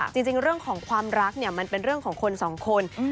จริงเรื่องของความรักเนี่ยมันเป็นเรื่องของคนสองคน